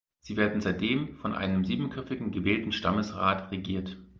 Sie werden seitdem von einem siebenköpfigen gewählten Stammesrat regiert.